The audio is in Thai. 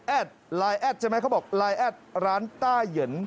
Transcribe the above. แอดไลน์แอดเขาบอกไลน์แอดร้านต้าเหยิน